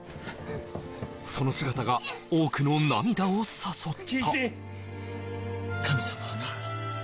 その姿が多くの涙を誘った神様はな